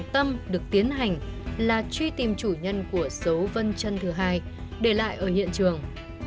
tâm được tiến hành là truy tìm chủ nhân của dấu vân chân thứ hai để lại ở hiện trường